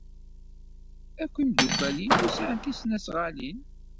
Akk imeddukal-inu sɛan tisnasɣalin.